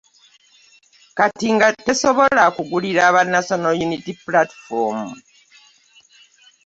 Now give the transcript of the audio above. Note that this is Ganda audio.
Kati nga tesobola kugulirira ba National Unity Platform.